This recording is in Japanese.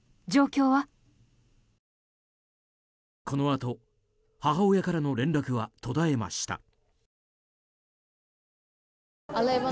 このあと、母親からの連絡は途絶えました。